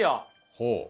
ほう。